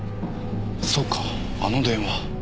そうかあの電話。